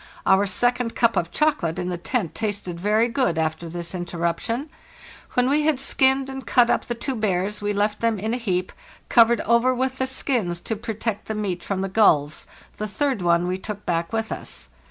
Our second cup of chocolate in the tent tasted very good after this interruption. When we had skinned and cut up the two bears we left them in a heap, covered over with the skins to protect the meat from the gulls; the third one we took back with us.